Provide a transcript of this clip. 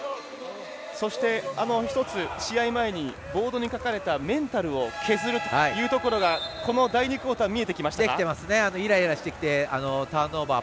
そして、一つ、試合前にボードに書かれたメンタルを削るというところがこの第２クオーター見えてきましたか。